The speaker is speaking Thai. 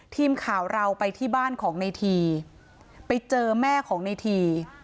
ทีมข่าวเราไปที่บ้านของในทีไปเจอแม่ของในที